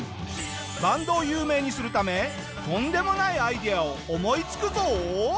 バンドを有名にするためとんでもないアイデアを思いつくぞ！